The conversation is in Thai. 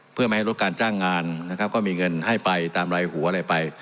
เพื่อไม่ให้ลดการจ้างงานนะครับก็มีเงินให้ไปตามรายหัวอะไรไป